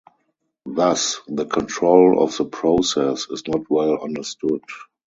Thus the control of the process is not well understood.